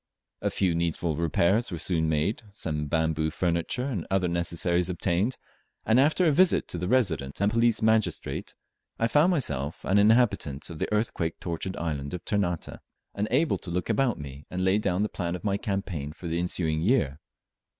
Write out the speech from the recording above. A few needful repairs were soon made, some bamboo furniture and other necessaries obtained, and after a visit to the Resident and Police Magistrate I found myself an inhabitant of the earthquake tortured island of Ternate, and able to look about me and lay down the plan of my campaign for the ensuing year.